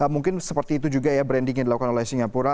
mungkin seperti itu juga ya branding yang dilakukan oleh singapura